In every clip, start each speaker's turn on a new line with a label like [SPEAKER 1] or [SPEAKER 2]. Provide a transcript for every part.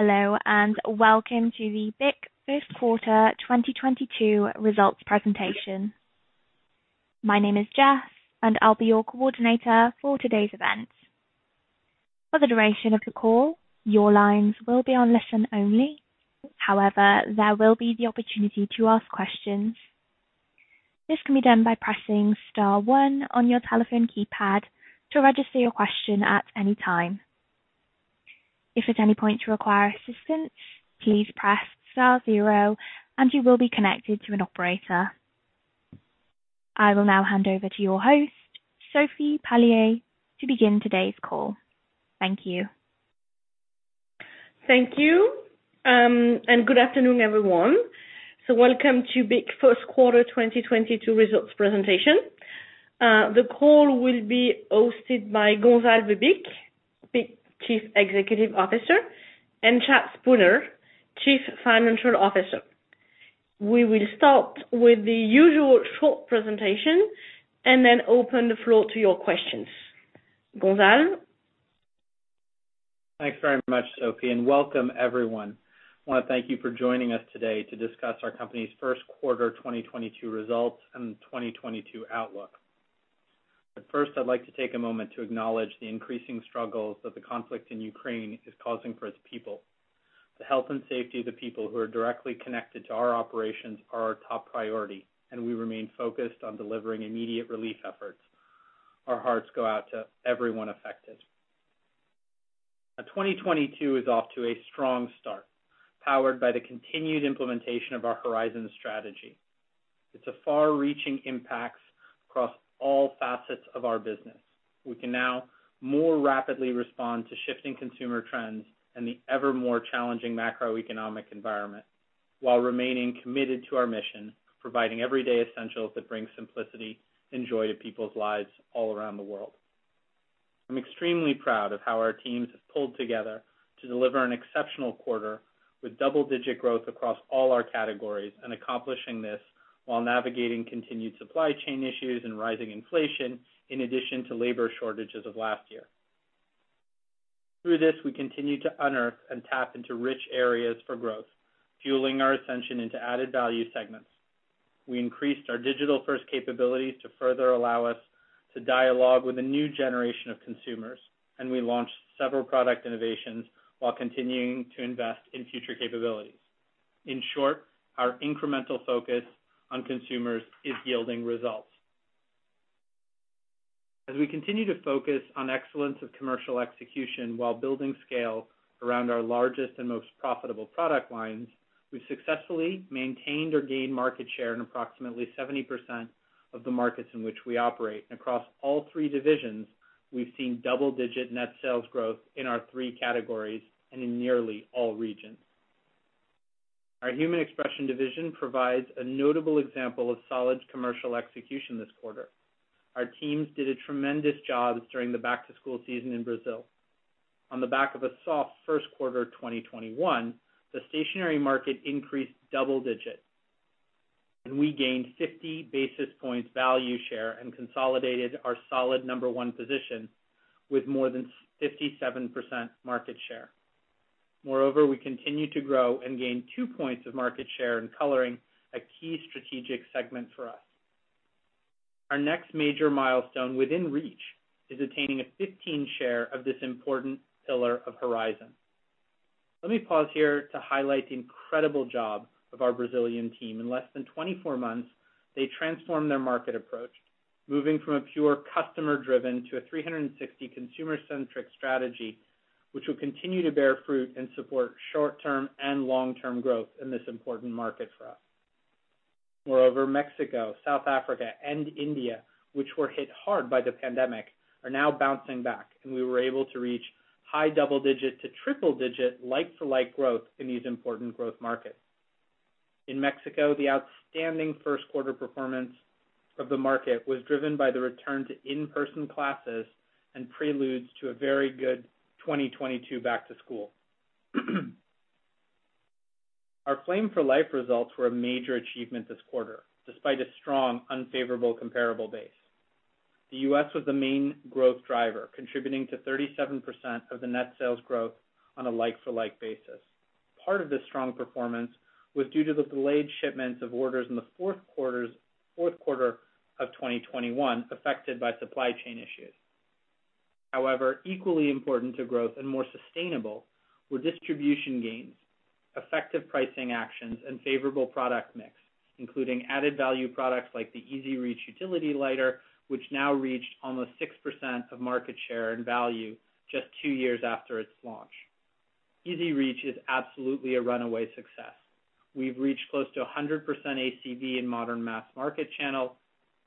[SPEAKER 1] Hello, and welcome to the BIC First Quarter 2022 Results Presentation. My name is Jess, and I'll be your coordinator for today's event. For the duration of the call, your lines will be on listen only. However, there will be the opportunity to ask questions. This can be done by pressing star one on your telephone keypad to register your question at any time. If at any point you require assistance, please press star zero and you will be connected to an operator. I will now hand over to your host, Sophie Palliez, to begin today's call. Thank you.
[SPEAKER 2] Thank you, and good afternoon, everyone. Welcome to BIC first quarter 2022 results presentation. The call will be hosted by Gonzalve Bich, BIC Chief Executive Officer, and Chad Spooner, Chief Financial Officer. We will start with the usual short presentation and then open the floor to your questions. Gonzalve?
[SPEAKER 3] Thanks very much, Sophie, and welcome everyone. I wanna thank you for joining us today to discuss our company's first quarter 2022 results and the 2022 outlook. First, I'd like to take a moment to acknowledge the increasing struggles that the conflict in Ukraine is causing for its people. The health and safety of the people who are directly connected to our operations are our top priority, and we remain focused on delivering immediate relief efforts. Our hearts go out to everyone affected. Now, 2022 is off to a strong start, powered by the continued implementation of our Horizon strategy. It's a far-reaching impact across all facets of our business. We can now more rapidly respond to shifting consumer trends and the evermore challenging macroeconomic environment while remaining committed to our mission, providing everyday essentials that bring simplicity and joy to people's lives all around the world. I'm extremely proud of how our teams have pulled together to deliver an exceptional quarter with double-digit growth across all our categories, and accomplishing this while navigating continued supply chain issues and rising inflation, in addition to labor shortages of last year. Through this, we continue to unearth and tap into rich areas for growth, fueling our ascension into added value segments. We increased our digital-first capabilities to further allow us to dialogue with a new generation of consumers, and we launched several product innovations while continuing to invest in future capabilities. In short, our incremental focus on consumers is yielding results. As we continue to focus on excellence of commercial execution while building scale around our largest and most profitable product lines, we've successfully maintained or gained market share in approximately 70% of the markets in which we operate. Across all three divisions, we've seen double-digit net sales growth in our three categories and in nearly all regions. Our Human Expression division provides a notable example of solid commercial execution this quarter. Our teams did a tremendous job during the back-to-school season in Brazil. On the back of a soft first quarter 2021, the stationery market increased double-digit, and we gained 50 basis points value share and consolidated our solid number one position with more than 57% market share. Moreover, we continued to grow and gain two points of market share in coloring, a key strategic segment for us. Our next major milestone within reach is attaining a 15% share of this important pillar of Horizon. Let me pause here to highlight the incredible job of our Brazilian team. In less than 24 months, they transformed their market approach, moving from a purely customer-driven to a 360-degree consumer-centric strategy, which will continue to bear fruit and support short-term and long-term growth in this important market for us. Moreover, Mexico, South Africa, and India, which were hit hard by the pandemic, are now bouncing back, and we were able to reach high double-digit% to triple-digit% like-for-like growth in these important growth markets. In Mexico, the outstanding first quarter performance of the market was driven by the return to in-person classes and preludes to a very good 2022 back to school. Our Flame for Life results were a major achievement this quarter, despite a strong, unfavorable comparable base. The U.S. was the main growth driver, contributing to 37% of the net sales growth on a like-for-like basis. Part of this strong performance was due to the delayed shipments of orders in the fourth quarter of 2021, affected by supply chain issues. However, equally important to growth and more sustainable were distribution gains, effective pricing actions, and favorable product mix, including added value products like the EZ Reach utility lighter, which now reached almost 6% of market share and value just two years after its launch. EZ Reach is absolutely a runaway success. We've reached close to 100% ACV in modern mass market channels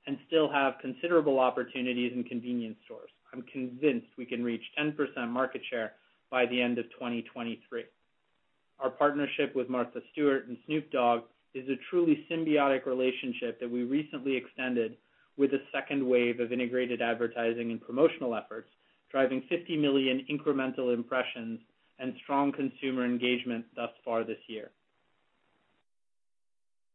[SPEAKER 3] and still have considerable opportunities in convenience stores. I'm convinced we can reach 10% market share by the end of 2023. Our partnership with Martha Stewart and Snoop Dogg is a truly symbiotic relationship that we recently extended with a second wave of integrated advertising and promotional efforts, driving 50 million incremental impressions and strong consumer engagement thus far this year.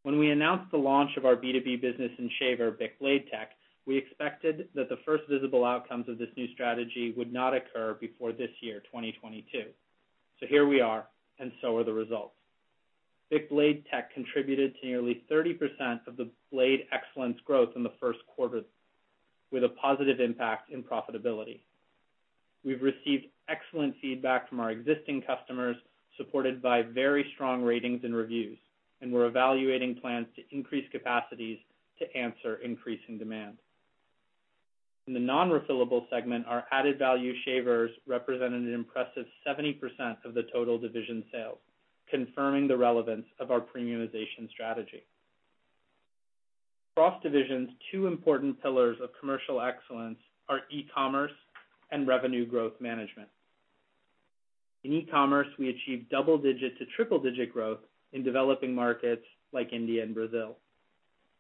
[SPEAKER 3] When we announced the launch of our B2B business in BIC Blade-Tech, we expected that the first visible outcomes of this new strategy would not occur before this year, 2022. Here we are, and so are the results. BIC Blade-Tech contributed to nearly 30% of the Blade Excellence growth in the first quarter, with a positive impact in profitability. We've received excellent feedback from our existing customers, supported by very strong ratings and reviews, and we're evaluating plans to increase capacities to answer increasing demand. In the non-refillable segment, our added value shavers represented an impressive 70% of the total division sales, confirming the relevance of our premiumization strategy. Across divisions, two important pillars of commercial excellence are e-commerce and revenue growth management. In e-commerce, we achieved double-digit to triple-digit growth in developing markets like India and Brazil.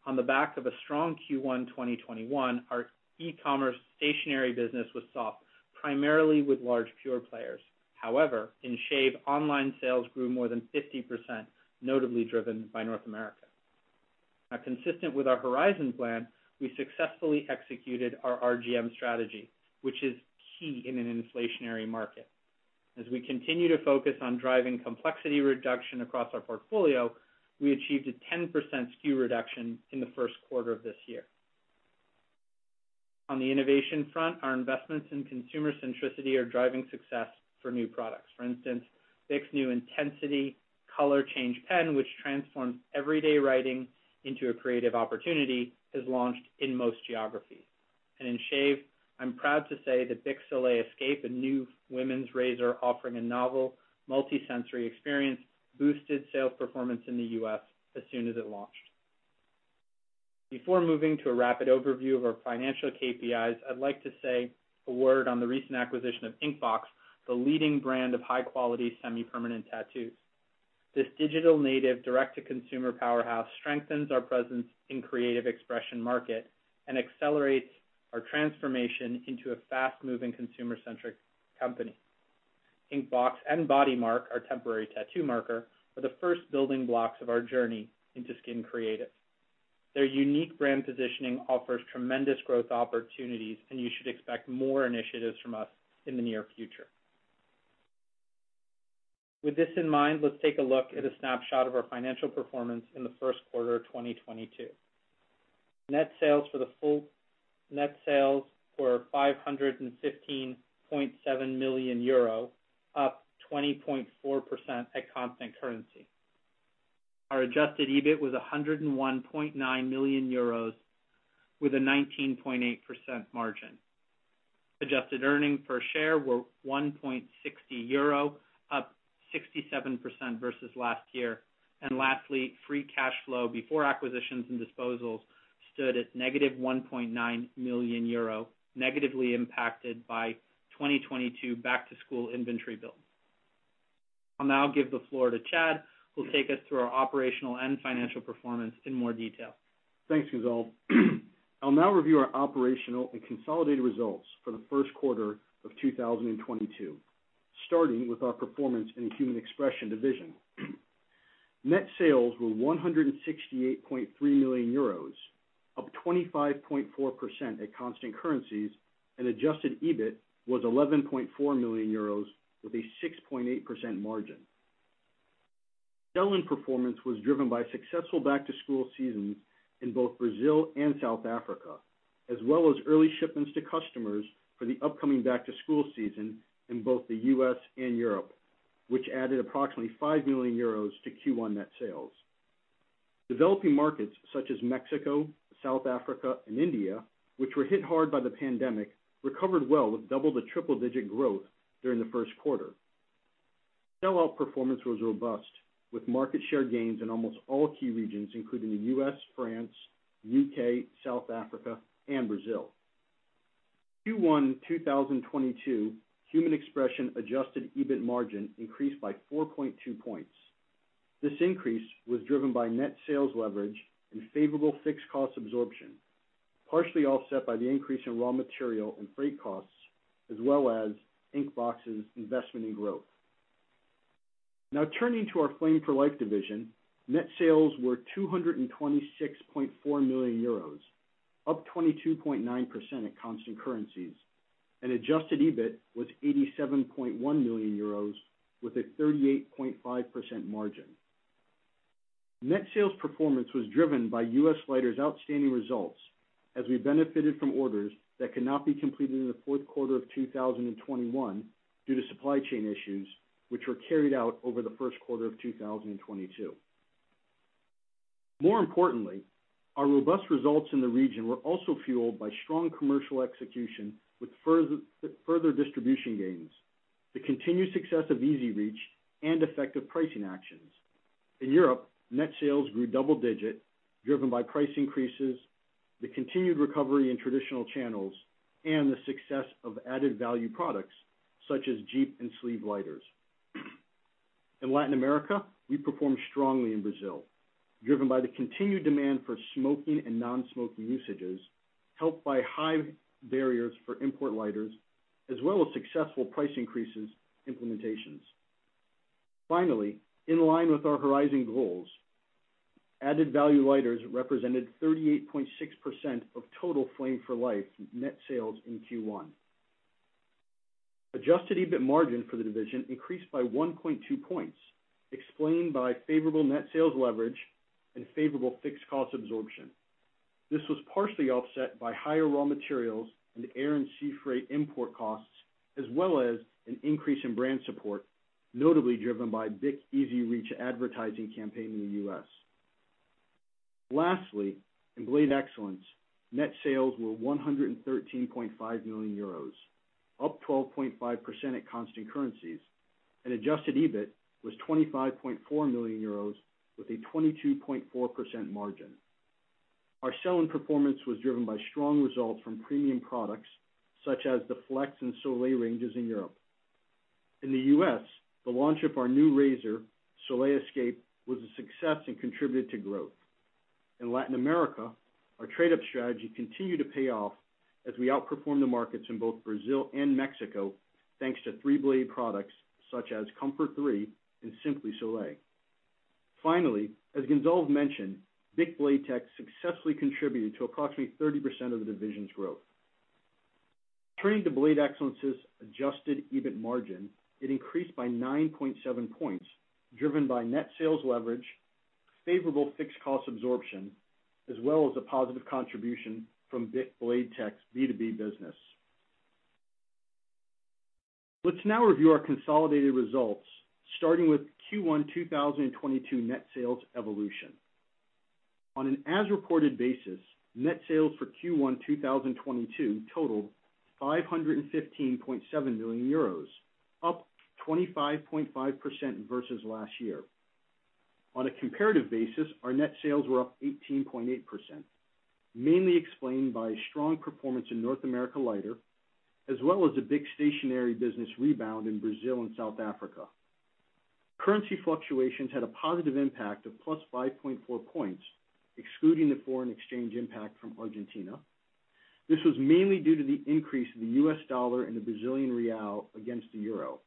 [SPEAKER 3] On the back of a strong Q1 2021, our e-commerce stationery business was soft, primarily with large pure players. However, in shave, online sales grew more than 50%, notably driven by North America. Now consistent with our Horizon plan, we successfully executed our RGM strategy, which is key in an inflationary market. As we continue to focus on driving complexity reduction across our portfolio, we achieved a 10% SKU reduction in the first quarter of this year. On the innovation front, our investments in consumer centricity are driving success for new products. For instance, BIC's new Intensity Color Change pen, which transforms everyday writing into a creative opportunity, has launched in most geographies. In shave, I'm proud to say the BIC Soleil Escape, a new women's razor offering a novel multi-sensory experience, boosted sales performance in the U.S. as soon as it launched. Before moving to a rapid overview of our financial KPIs, I'd like to say a word on the recent acquisition of Inkbox, the leading brand of high-quality semi-permanent tattoos. This digital native direct-to-consumer powerhouse strengthens our presence in creative expression market and accelerates our transformation into a fast-moving consumer-centric company. Inkbox and BodyMark, our temporary tattoo marker, are the first building blocks of our journey into Skin Creative. Their unique brand positioning offers tremendous growth opportunities, and you should expect more initiatives from us in the near future. With this in mind, let's take a look at a snapshot of our financial performance in the first quarter of 2022. Net sales were 515.7 million euro, up 20.4% at constant currency. Our adjusted EBIT was 101.9 million euros with a 19.8% margin. Adjusted earnings per share were 1.60 euro, up 67% versus last year. Lastly, free cash flow before acquisitions and disposals stood at -1.9 million euro, negatively impacted by 2022 back-to-school inventory build. I'll now give the floor to Chad, who'll take us through our operational and financial performance in more detail.
[SPEAKER 4] Thanks, Gonzalve. I'll now review our operational and consolidated results for the first quarter of 2022, starting with our performance in Human Expression division. Net sales were 168.3 million euros, up 25.4% at constant currencies, and adjusted EBIT was 11.4 million euros with a 6.8% margin. Sell-in performance was driven by successful back-to-school seasons in both Brazil and South Africa, as well as early shipments to customers for the upcoming back-to-school season in both the U.S. and Europe, which added approximately 5 million euros to Q1 net sales. Developing markets such as Mexico, South Africa, and India, which were hit hard by the pandemic, recovered well with double- to triple-digit growth during the first quarter. Sell-out performance was robust, with market share gains in almost all key regions, including the U.S., France, U.K., South Africa, and Brazil. Q1 2022, Human Expression adjusted EBIT margin increased by 4.2 points. This increase was driven by net sales leverage and favorable fixed cost absorption, partially offset by the increase in raw material and freight costs, as well as Inkbox's investment in growth. Now turning to our Flame for Life division, net sales were 226.4 million euros, up 22.9% at constant currencies, and adjusted EBIT was 87.1 million euros with a 38.5% margin. Net sales performance was driven by U.S. Lighters outstanding results as we benefited from orders that could not be completed in the fourth quarter of 2021 due to supply chain issues, which were carried out over the first quarter of 2022. More importantly, our robust results in the region were also fueled by strong commercial execution with further distribution gains, the continued success of EZ Reach and effective pricing actions. In Europe, net sales grew double-digit, driven by price increases, the continued recovery in traditional channels, and the success of added value products such as J26 and Djeep lighters. In Latin America, we performed strongly in Brazil, driven by the continued demand for smoking and non-smoking usages. Helped by high barriers for import lighters, as well as successful price increases implementations. Finally, in line with our Horizon goals, added value lighters represented 38.6% of total Flame for Life net sales in Q1. Adjusted EBIT margin for the division increased by 1.2 points, explained by favorable net sales leverage and favorable fixed cost absorption. This was partially offset by higher raw materials and air and sea freight import costs, as well as an increase in brand support, notably driven by BIC EZ Reach advertising campaign in the US. Lastly, in Blade Excellence, net sales were 113.5 million euros, up 12.5% at constant currencies, and adjusted EBIT was 25.4 million euros with a 22.4% margin. Our selling performance was driven by strong results from premium products such as the Flex and Soleil ranges in Europe. In the US, the launch of our new razor, Soleil Escape, was a success and contributed to growth. In Latin America, our trade-up strategy continued to pay off as we outperformed the markets in both Brazil and Mexico, thanks to three-blade products such as Comfort 3 and Simply Soleil. Finally, as Gonzalve mentioned, BIC Blade-Tech successfully contributed to approximately 30% of the division's growth. Turning to Blade Excellence's adjusted EBIT margin, it increased by 9.7 points, driven by net sales leverage, favorable fixed cost absorption, as well as a positive contribution from BIC Blade-Tech's B2B business. Let's now review our consolidated results, starting with Q1 2022 net sales evolution. On an as-reported basis, net sales for Q1 2022 totaled 515.7 million euros, up 25.5% versus last year. On a comparative basis, our net sales were up 18.8%, mainly explained by strong performance in North America Lighters, as well as a BIC Stationery business rebound in Brazil and South Africa. Currency fluctuations had a positive impact of +5.4 points, excluding the foreign exchange impact from Argentina. This was mainly due to the increase in the US dollar and the Brazilian real against the euro.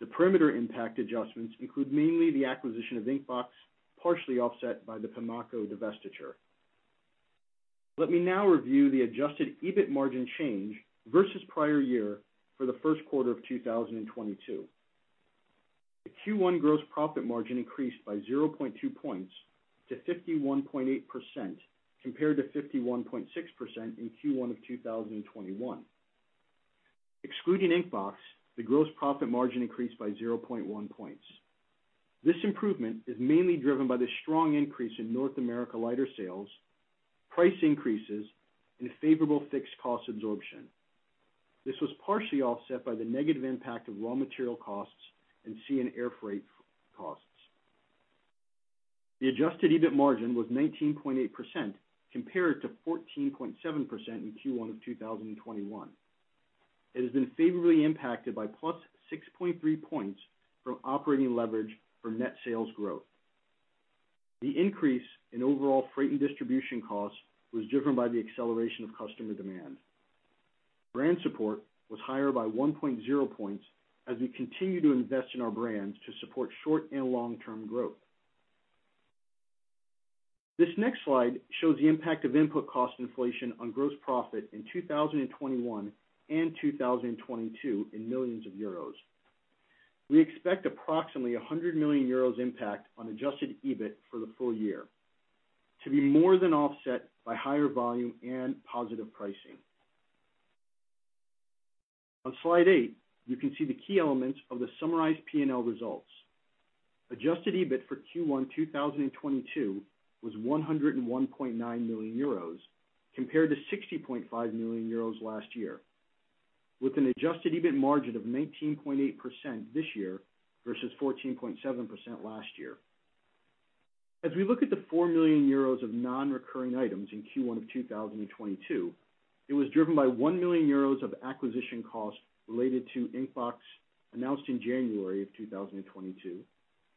[SPEAKER 4] The perimeter impact adjustments include mainly the acquisition of Inkbox, partially offset by the Pimaco divestiture. Let me now review the adjusted EBIT margin change versus prior year for the first quarter of 2022. The Q1 gross profit margin increased by 0.2 points to 51.8% compared to 51.6% in Q1 of 2021. Excluding Inkbox, the gross profit margin increased by 0.1 points. This improvement is mainly driven by the strong increase in North America lighter sales, price increases, and favorable fixed cost absorption. This was partially offset by the negative impact of raw material costs and sea and air freight costs. The adjusted EBIT margin was 19.8% compared to 14.7% in Q1 of 2021. It has been favorably impacted by plus 6.3 points from operating leverage from net sales growth. The increase in overall freight and distribution costs was driven by the acceleration of customer demand. Brand support was higher by 1.0 points as we continue to invest in our brands to support short and long-term growth. This next slide shows the impact of input cost inflation on gross profit in 2021 and 2022 in millions of EUR. We expect approximately 100 million euros impact on adjusted EBIT for the full year to be more than offset by higher volume and positive pricing. On slide eight, you can see the key elements of the summarized P&L results. Adjusted EBIT for Q1 2022 was 101.9 million euros compared to 60.5 million euros last year, with an adjusted EBIT margin of 19.8% this year versus 14.7% last year. As we look at the 4 million euros of non-recurring items in Q1 of 2022, it was driven by 1 million euros of acquisition costs related to Inkbox announced in January 2022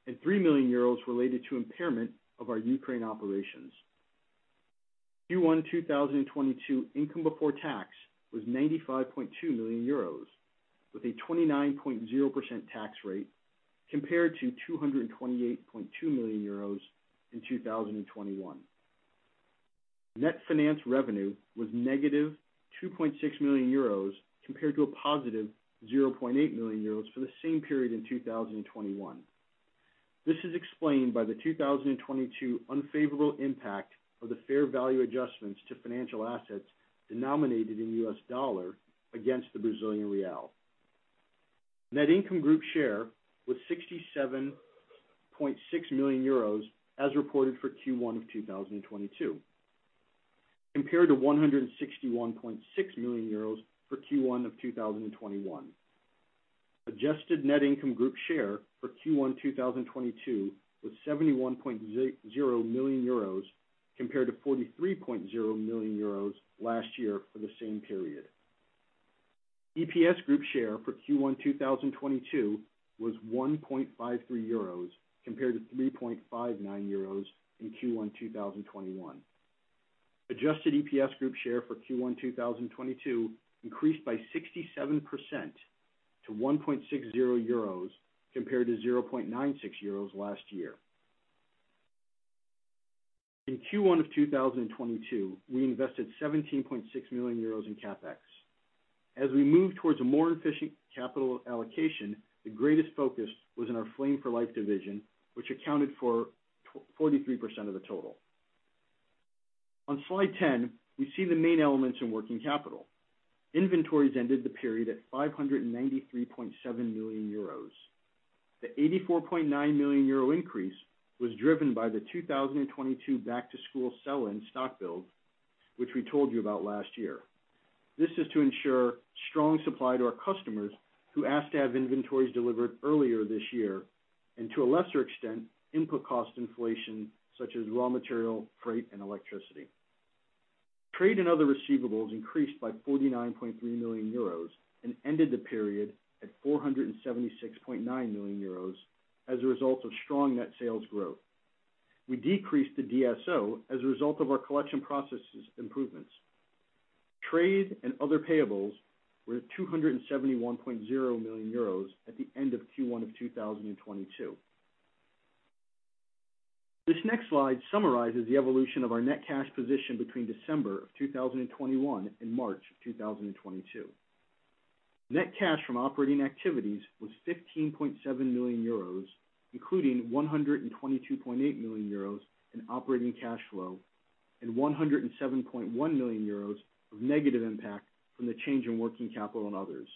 [SPEAKER 4] and 3 million euros related to impairment of our Ukraine operations. Q1 2022 income before tax was 95.2 million euros with a 29.0% tax rate compared to 228.2 million euros in 2021. Net finance revenue was negative 2.6 million euros compared to a positive 0.8 million euros for the same period in 2021. This is explained by the 2022 unfavorable impact of the fair value adjustments to financial assets denominated in US dollar against the Brazilian real. Net income group share was 67.6 million euros as reported for Q1 of 2022, compared to 161.6 million euros for Q1 of 2021. Adjusted net income group share for Q1 2022 was 71.0 million euros compared to 43.0 million euros last year for the same period. EPS group share for Q1 2022 was 1.53 euros compared to 3.59 euros in Q1 2021. Adjusted EPS group share for Q1 2022 increased by 67% to 1.60 euros compared to 0.96 euros last year. In Q1 of 2022, we invested 17.6 million euros in CapEx. As we move towards a more efficient capital allocation, the greatest focus was in our Flame for Life division, which accounted for 23% of the total. On slide 10, we see the main elements in working capital. Inventories ended the period at 593.7 million euros. The 84.9 million euro increase was driven by the 2022 back-to-school sell-in stock build, which we told you about last year. This is to ensure strong supply to our customers who asked to have inventories delivered earlier this year, and to a lesser extent, input cost inflation such as raw material, freight, and electricity. Trade and other receivables increased by 49.3 million euros and ended the period at 476.9 million euros as a result of strong net sales growth. We decreased the DSO as a result of our collection processes improvements. Trade and other payables were 271.0 million euros at the end of Q1 of 2022. This next slide summarizes the evolution of our net cash position between December 2021 and March 2022. Net cash from operating activities was 15.7 million euros, including 122.8 million euros in operating cash flow, and 107.1 million euros of negative impact from the change in working capital and others.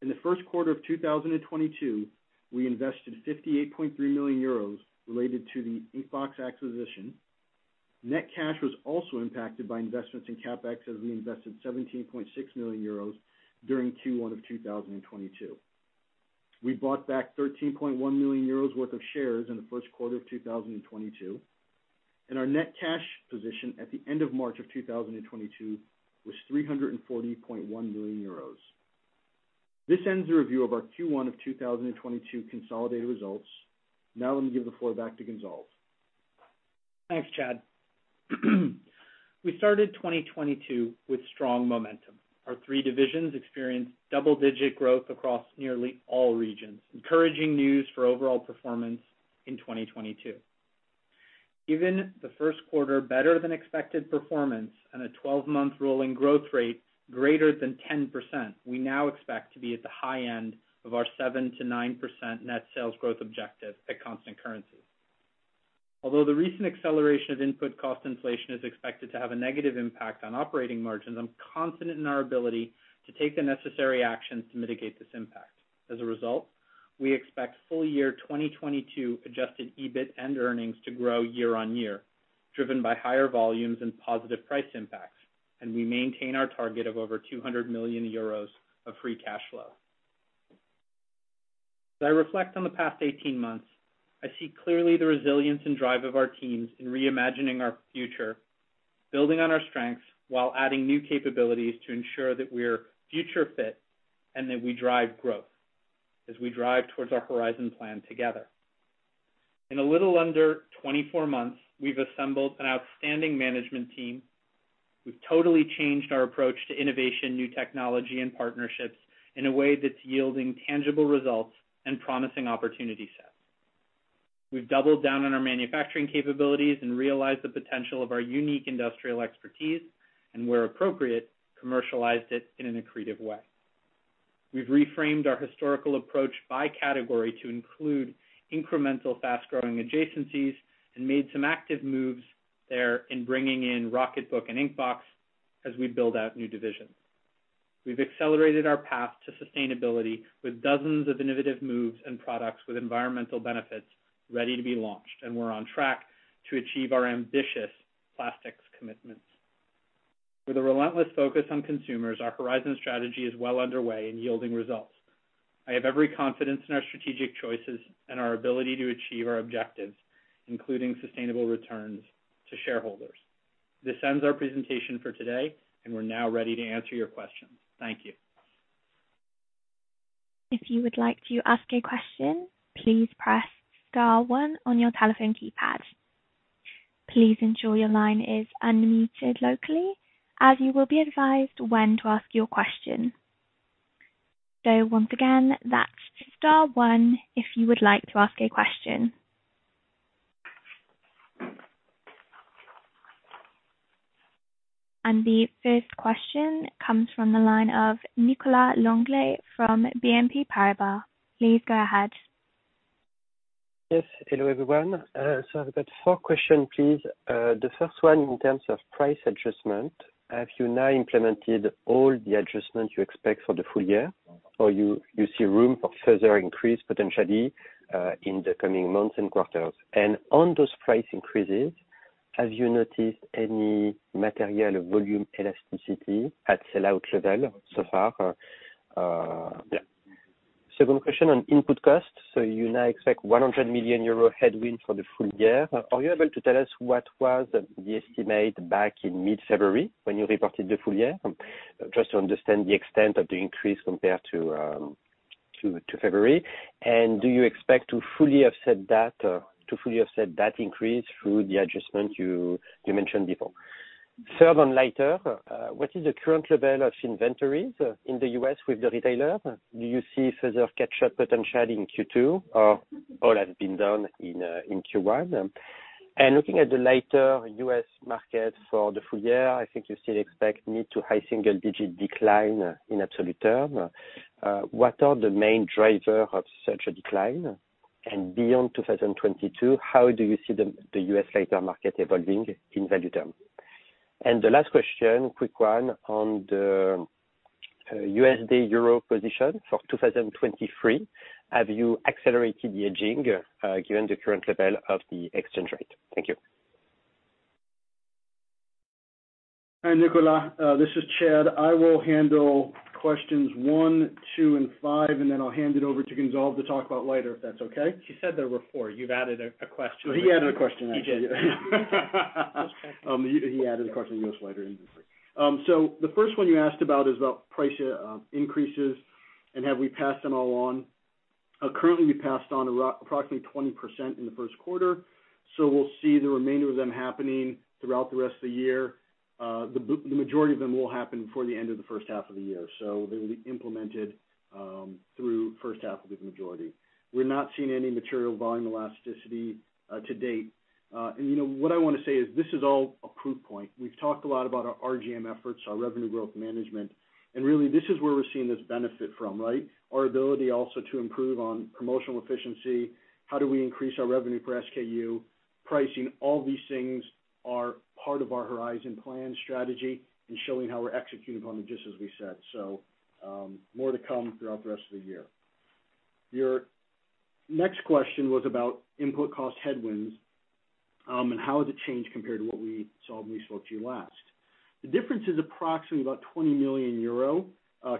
[SPEAKER 4] In the first quarter of 2022, we invested 58.3 million euros related to the Inkbox acquisition. Net cash was also impacted by investments in CapEx as we invested 17.6 million euros during Q1 of 2022. We bought back 13.1 million euros worth of shares in the first quarter of 2022, and our net cash position at the end of March 2022 was 340.1 million euros. This ends the review of our Q1 2022 consolidated results. Now let me give the floor back to Gonzalve.
[SPEAKER 3] Thanks, Chad. We started 2022 with strong momentum. Our three divisions experienced double-digit growth across nearly all regions, encouraging news for overall performance in 2022. Given the first quarter better than expected performance and a 12-month rolling growth rate greater than 10%, we now expect to be at the high end of our 7%-9% net sales growth objective at constant currency. Although the recent acceleration of input cost inflation is expected to have a negative impact on operating margins, I'm confident in our ability to take the necessary actions to mitigate this impact. As a result, we expect full-year 2022 adjusted EBIT and earnings to grow year-on-year, driven by higher volumes and positive price impacts, and we maintain our target of over 200 million euros of free cash flow. As I reflect on the past 18 months, I see clearly the resilience and drive of our teams in reimagining our future, building on our strengths while adding new capabilities to ensure that we're future fit and that we drive growth as we drive towards our Horizon plan together. In a little under 24 months, we've assembled an outstanding management team. We've totally changed our approach to innovation, new technology, and partnerships in a way that's yielding tangible results and promising opportunity sets. We've doubled down on our manufacturing capabilities and realized the potential of our unique industrial expertise and where appropriate, commercialized it in an accretive way. We've reframed our historical approach by category to include incremental fast-growing adjacencies and made some active moves there in bringing in Rocketbook and Inkbox as we build out new divisions. We've accelerated our path to sustainability with dozens of innovative moves and products with environmental benefits ready to be launched, and we're on track to achieve our ambitious plastics commitments. With a relentless focus on consumers, our Horizon strategy is well underway in yielding results. I have every confidence in our strategic choices and our ability to achieve our objectives, including sustainable returns to shareholders. This ends our presentation for today, and we're now ready to answer your questions. Thank you.
[SPEAKER 1] If you would like to ask a question, please press star one on your telephone keypad. Please ensure your line is unmuted locally as you will be advised when to ask your question. Once again, that's star one if you would like to ask a question. The first question comes from the line of Nicolas Langlet from BNP Paribas. Please go ahead.
[SPEAKER 5] Yes. Hello, everyone. I've got four questions, please. The first one in terms of price adjustment, have you now implemented all the adjustments you expect for the full year? Or you see room for further increase potentially in the coming months and quarters? And on those price increases, have you noticed any material volume elasticity at sell-out level so far? Yeah. Second question on input costs. You now expect 100 million euro headwind for the full year. Are you able to tell us what was the estimate back in mid-February when you reported the full year? Just to understand the extent of the increase compared to February. Do you expect to fully offset that increase through the adjustment you mentioned before. Third, on lighter, what is the current level of inventories in the U.S. with the retailer? Do you see further catch-up potential in Q2, or all has been done in Q1? Looking at the lighter U.S. market for the full year, I think you still expect mid- to high-single-digit decline in absolute term. What are the main driver of such a decline? Beyond 2022, how do you see the U.S. lighter market evolving in value term? The last question, quick one on the USD-Euro position for 2023. Have you accelerated the hedging, given the current level of the exchange rate? Thank you.
[SPEAKER 4] Hi, Nicolas. This is Chad. I will handle questions one, two, and five, and then I'll hand it over to Gonzalve to talk about lighter, if that's okay.
[SPEAKER 3] You said there were four. You've added a question.
[SPEAKER 4] He added a question actually, yeah.
[SPEAKER 3] He did.
[SPEAKER 4] He added a question, the U.S. lighter inventory. The first one you asked about is about price increases and have we passed them all on. Currently, we passed on approximately 20% in the first quarter, so we'll see the remainder of them happening throughout the rest of the year. The majority of them will happen before the end of the first half of the year. They'll be implemented through the first half. That will be the majority. We're not seeing any material volume elasticity to date. And you know, what I wanna say is this is all a proof point. We've talked a lot about our RGM efforts, our revenue growth management, and really this is where we're seeing this benefit from, right? Our ability also to improve on promotional efficiency, how do we increase our revenue per SKU, pricing, all these things are part of our Horizon plan strategy and showing how we're executing on it just as we said. More to come throughout the rest of the year. Your next question was about input cost headwinds, and how has it changed compared to what we saw when we spoke to you last. The difference is approximately about 20 million euro,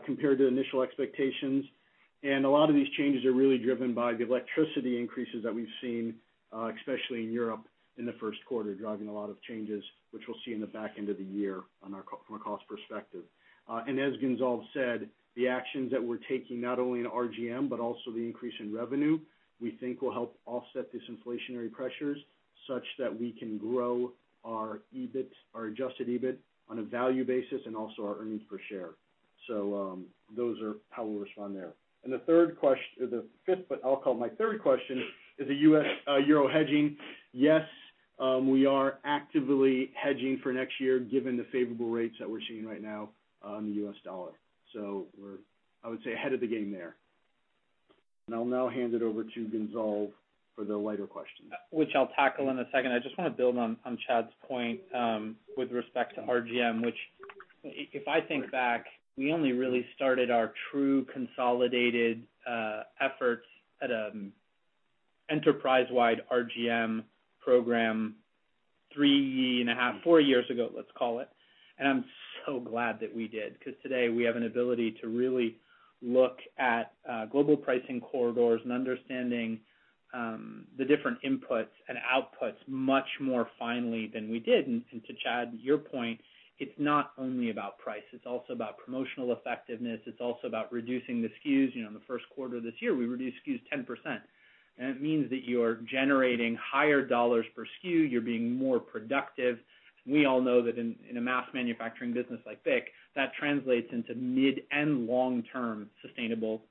[SPEAKER 4] compared to initial expectations, and a lot of these changes are really driven by the electricity increases that we've seen, especially in Europe in the first quarter, driving a lot of changes, which we'll see in the back end of the year from a cost perspective. As Gonzalve said, the actions that we're taking, not only in RGM, but also the increase in revenue, we think will help offset these inflationary pressures, such that we can grow our EBIT, our adjusted EBIT on a value basis and also our earnings per share. Those are how we'll respond there. The third or the fifth, but I'll call my third question, is the U.S. Euro hedging. Yes, we are actively hedging for next year given the favorable rates that we're seeing right now on the U.S. dollar. We're, I would say, ahead of the game there. I'll now hand it over to Gonzalve for the lighter question.
[SPEAKER 3] Which I'll tackle in a second. I just wanna build on Chad's point with respect to RGM, which if I think back, we only really started our true consolidated efforts at enterprise-wide RGM program three in a half, four years ago, let's call it. I'm so glad that we did, 'cause today, we have an ability to really look at global pricing corridors and understanding the different inputs and outputs much more finely than we did. To Chad, your point, it's not only about price. It's also about promotional effectiveness. It's also about reducing the SKUs. You know, in the first quarter of this year, we reduced SKUs 10%. It means that you're generating higher dollars per SKU, you're being more productive. We all know that in a mass manufacturing business like BIC, that translates into mid and long-term sustainable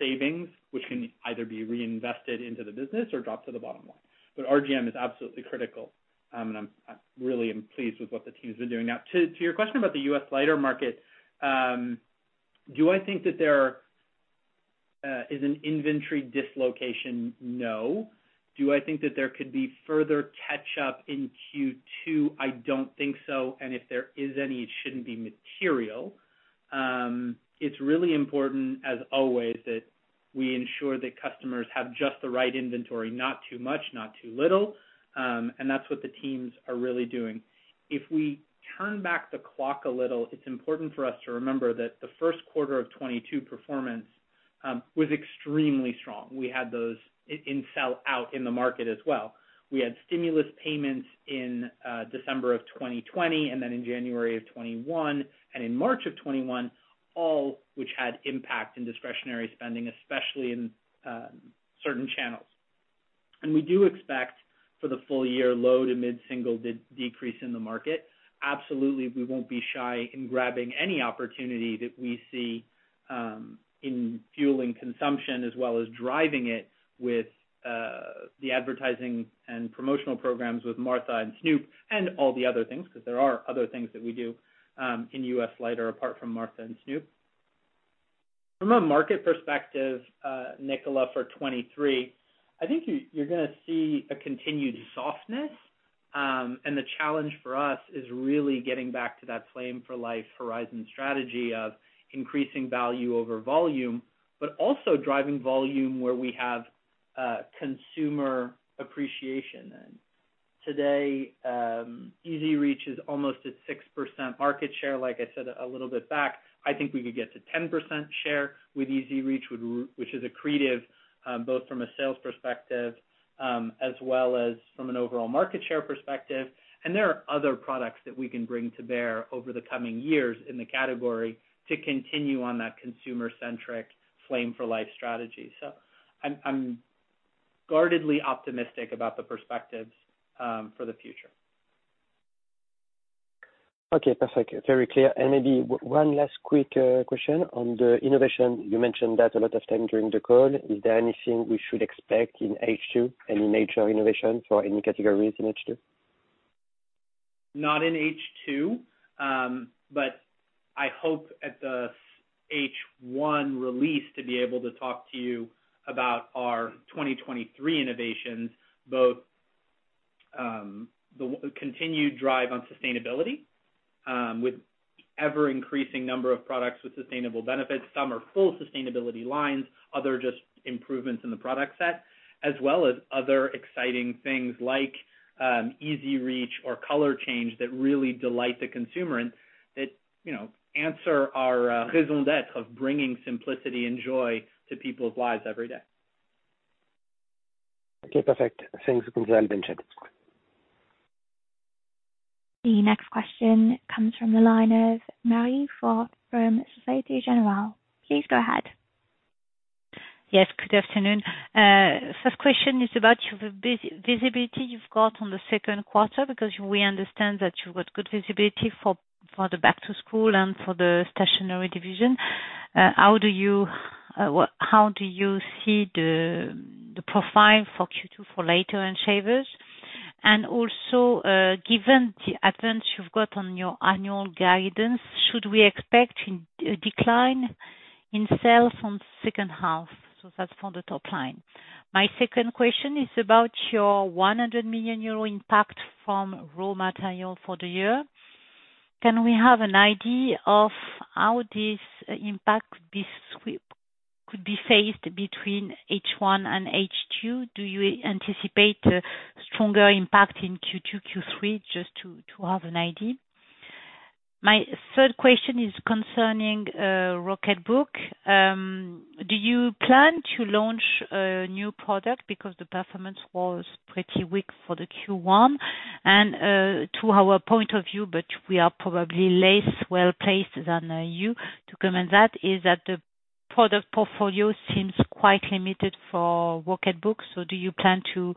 [SPEAKER 3] savings, which can either be reinvested into the business or drop to the bottom line. RGM is absolutely critical, and I really am pleased with what the team's been doing. Now, to your question about the U.S. lighter market, do I think that there is an inventory dislocation? No. Do I think that there could be further catch up in Q2? I don't think so, and if there is any, it shouldn't be material. It's really important as always that we ensure that customers have just the right inventory, not too much, not too little, and that's what the teams are really doing. If we turn back the clock a little, it's important for us to remember that the first quarter of 2022 performance was extremely strong. We had those in sell out in the market as well. We had stimulus payments in December of 2020, and then in January of 2021, and in March of 2021, all which had impact in discretionary spending, especially in certain channels. We do expect for the full year low- to mid-single-digit decrease in the market. Absolutely, we won't be shy in grabbing any opportunity that we see in fueling consumption as well as driving it with the advertising and promotional programs with Martha and Snoop and all the other things, 'cause there are other things that we do in U.S. lighter apart from Martha and Snoop. From a market perspective, Nicolas, for 2023, I think you're gonna see a continued softness, and the challenge for us is really getting back to that Flame for Life Horizon strategy of increasing value over volume, but also driving volume where we have consumer appreciation then. Today, EZ Reach is almost at 6% market share. Like I said a little bit back, I think we could get to 10% share with EZ Reach, which is accretive, both from a sales perspective, as well as from an overall market share perspective. There are other products that we can bring to bear over the coming years in the category to continue on that consumer-centric Flame for Life strategy. I'm guardedly optimistic about the perspectives for the future.
[SPEAKER 5] Okay, perfect. Very clear. Maybe one last quick question on the innovation. You mentioned that a lot of times during the call. Is there anything we should expect in H2, any major innovation for any categories in H2?
[SPEAKER 3] Not in H2. I hope at the H1 release to be able to talk to you about our 2023 innovations, both the continued drive on sustainability with ever increasing number of products with sustainable benefits. Some are full sustainability lines, others just improvements in the product set, as well as other exciting things like EZ Reach or color change that really delight the consumer and that, you know, answer our raison d'être of bringing simplicity and joy to people's lives every day.
[SPEAKER 5] Okay, perfect. Thanks, Gonzalve and Chad.
[SPEAKER 1] The next question comes from the line of Marie-Line Fort from Société Générale. Please go ahead.
[SPEAKER 6] Yes, good afternoon. First question is about your visibility you've got on the second quarter, because we understand that you've got good visibility for the back to school and for the stationery division. How do you see the profile for Q2 for lighters and shavers? Also, given the advance you've got on your annual guidance, should we expect a decline in sales from H2? That's for the top line. My second question is about your 100 million euro impact from raw material for the year. Can we have an idea of how this impact could be phased between H1 and H2? Do you anticipate a stronger impact in Q2, Q3, just to have an idea? My third question is concerning Rocketbook. Do you plan to launch a new product because the performance was pretty weak for the Q1? To our point of view, but we are probably less well-placed than you to comment that, is that the product portfolio seems quite limited for Rocketbook. Do you plan to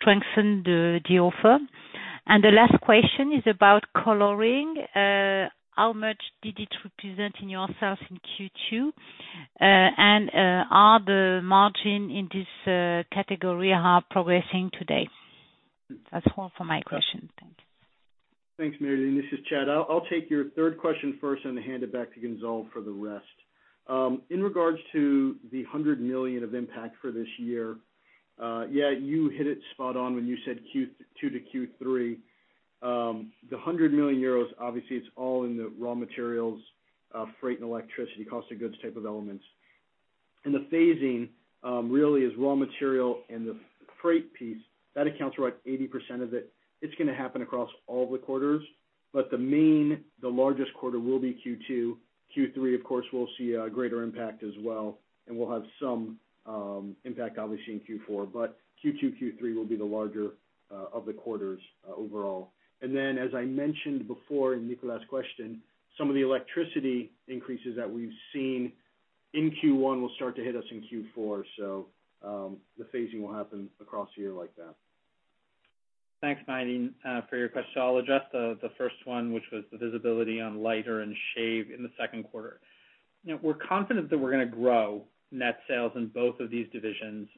[SPEAKER 6] strengthen the offer? The last question is about coloring. How much did it represent in your sales in Q2? And are the margin in this category are progressing today? That's all for my questions. Thank you.
[SPEAKER 4] Thanks, Marie. This is Chad. I'll take your third question first and hand it back to Gonzalve for the rest. In regards to the 100 million of impact for this year, yeah, you hit it spot on when you said Q2 to Q3. The 100 million euros, obviously, it's all in the raw materials, freight and electricity, cost of goods type of elements. The phasing really is raw material and the freight piece that accounts for, like, 80% of it. It's gonna happen across all the quarters, but the main, the largest quarter will be Q2. Q3, of course, will see a greater impact as well, and we'll have some impact obviously in Q4. Q2, Q3 will be the larger of the quarters overall. As I mentioned before in Nicolas' question, some of the electricity increases that we've seen in Q1 will start to hit us in Q4. The phasing will happen across the year like that.
[SPEAKER 3] Thanks, Marie-Line, for your question. I'll address the first one, which was the visibility on Lighters and Shave in the second quarter. You know, we're confident that we're gonna grow net sales in both of these divisions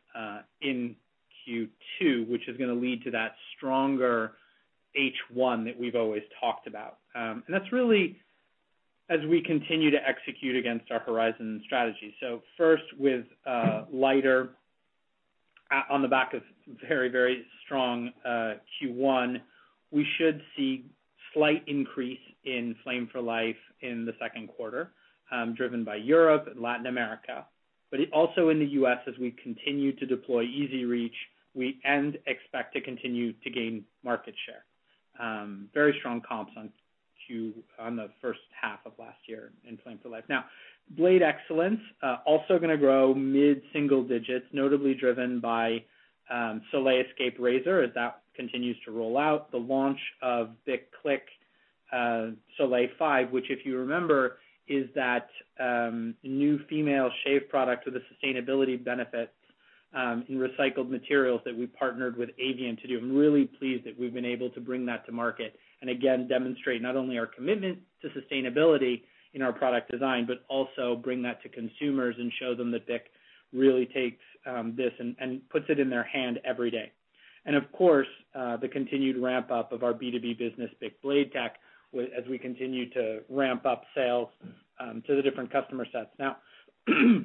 [SPEAKER 3] in Q2, which is gonna lead to that stronger H1 that we've always talked about. That's really as we continue to execute against our Horizon strategy. First with Lighters, on the back of very strong Q1, we should see slight increase in Flame for Life in the second quarter, driven by Europe and Latin America. It also in the U.S. as we continue to deploy EZ Reach and expect to continue to gain market share. Very strong comps on the first half of last year in Flame for Life. Blade Excellence also gonna grow mid-single digits, notably driven by Soleil Escape razor as that continues to roll out. The launch of BIC Click 5 Soleil, which if you remember, is that new female shave product with a sustainability benefit in recycled materials that we partnered with Avient to do. I'm really pleased that we've been able to bring that to market and again, demonstrate not only our commitment to sustainability in our product design, but also bring that to consumers and show them that BIC really takes this and puts it in their hand every day. Of course, the continued ramp-up of our B2B business, BIC Blade-Tech, as we continue to ramp up sales to the different customer sets. Now, to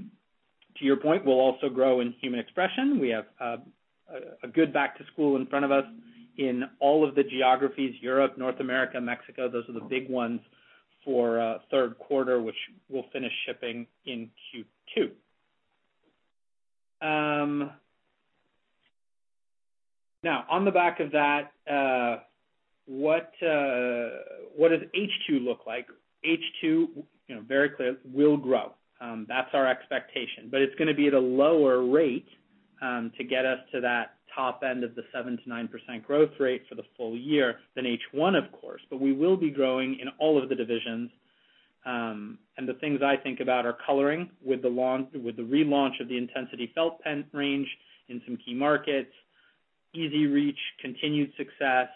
[SPEAKER 3] your point, we'll also grow in Human Expression. We have a good back to school in front of us in all of the geographies, Europe, North America, Mexico. Those are the big ones for third quarter, which we'll finish shipping in Q2. Now on the back of that, what does H2 look like? H2, you know, very clear will grow. That's our expectation, but it's gonna be at a lower rate to get us to that top end of the 7%-9% growth rate for the full year than H1 of course. We will be growing in all of the divisions. The things I think about are coloring with the relaunch of the Intensity felt pen range in some key markets, EZ Reach continued success,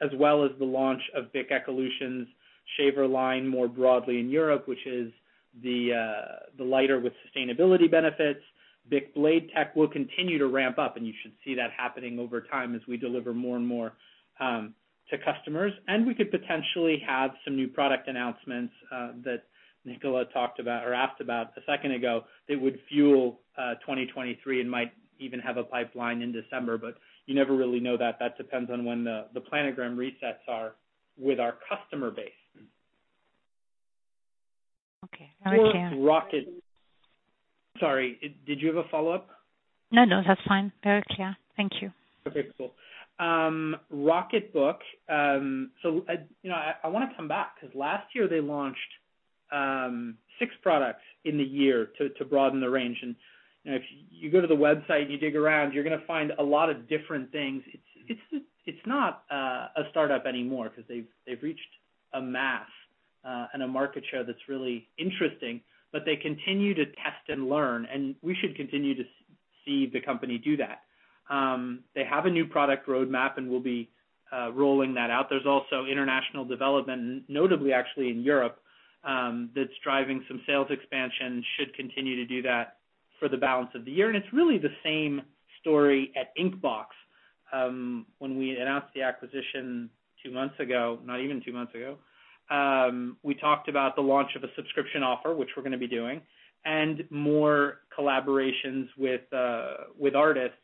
[SPEAKER 3] as well as the launch of BIC Ecolutions lighter line more broadly in Europe, which is the lighter with sustainability benefits. BIC Blade-Tech will continue to ramp up, and you should see that happening over time as we deliver more and more to customers. We could potentially have some new product announcements that Nicolas Langlet talked about or asked about a second ago that would fuel 2023 and might even have a pipeline in December, but you never really know that. That depends on when the planogram resets are with our customer base.
[SPEAKER 6] Okay. Very clear.
[SPEAKER 3] Sorry, did you have a follow-up?
[SPEAKER 6] No, no. That's fine. Very clear. Thank you.
[SPEAKER 3] Okay, cool. Rocketbook. You know, I wanna come back 'cause last year they launched six products in the year to broaden the range. You know, if you go to the website and you dig around, you're gonna find a lot of different things. It's not a startup anymore 'cause they've reached a mass and a market share that's really interesting. They continue to test and learn, and we should continue to see the company do that. They have a new product roadmap, and we'll be rolling that out. There's also international development, notably actually in Europe, that's driving some sales expansion. It should continue to do that for the balance of the year. It's really the same story at Inkbox. When we announced the acquisition two months ago, not even two months ago, we talked about the launch of a subscription offer, which we're gonna be doing, and more collaborations with artists.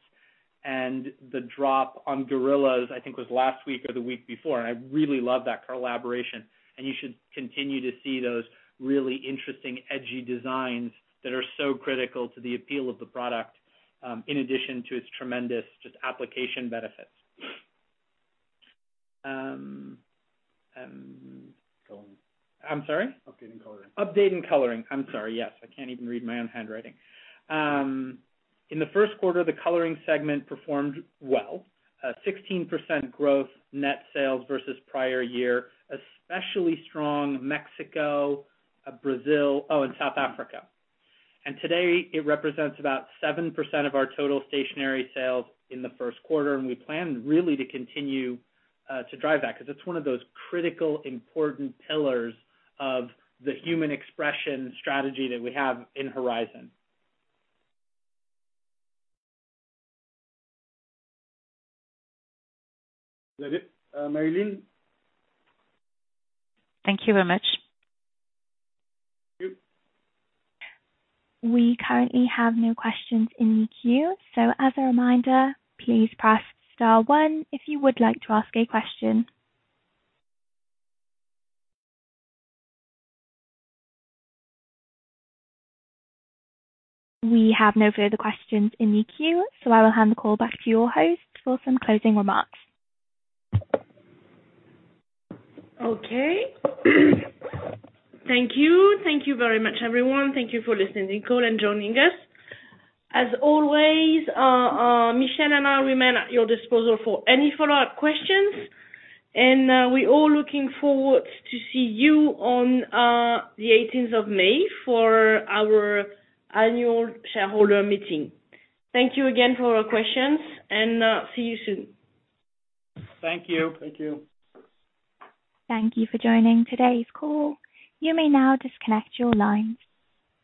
[SPEAKER 3] The drop on Gorillaz, I think, was last week or the week before, and I really love that collaboration. You should continue to see those really interesting edgy designs that are so critical to the appeal of the product, in addition to its tremendous just application benefits.
[SPEAKER 4] Coloring.
[SPEAKER 3] I'm sorry?
[SPEAKER 4] Update and coloring.
[SPEAKER 3] Update and coloring. I'm sorry. Yes. I can't even read my own handwriting. In the first quarter, the coloring segment performed well, 16% growth net sales versus prior year, especially strong Mexico, Brazil, and South Africa. Today it represents about 7% of our total stationery sales in the first quarter, and we plan really to continue to drive that because it's one of those critical important pillars of the Human Expression strategy that we have in Horizon.
[SPEAKER 4] Is that it, Marie-Line?
[SPEAKER 6] Thank you very much.
[SPEAKER 4] Thank you.
[SPEAKER 1] We currently have no questions in the queue. As a reminder, please press star one if you would like to ask a question. We have no further questions in the queue, so I will hand the call back to your host for some closing remarks.
[SPEAKER 2] Okay. Thank you. Thank you very much, everyone. Thank you for listening to the call and joining us. As always, Michèle and I remain at your disposal for any follow-up questions. We all looking forward to see you on the eighteenth of May for our annual shareholder meeting. Thank you again for your questions, and see you soon.
[SPEAKER 3] Thank you.
[SPEAKER 4] Thank you.
[SPEAKER 1] Thank you for joining today's call. You may now disconnect your lines.